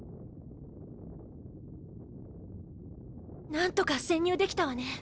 何とか潜入できたわね。